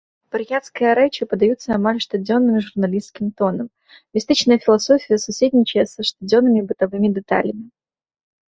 Вар'яцкія рэчы падаюцца амаль штодзённым журналісцкім тонам, містычная філасофія суседнічае са штодзённымі бытавымі дэталямі.